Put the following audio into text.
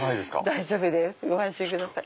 大丈夫ですご安心ください。